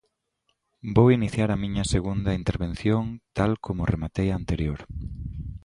Vou iniciar a miña segunda intervención tal como rematei a anterior.